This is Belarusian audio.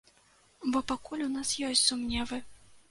Бо пакуль у нас ёсць сумневы.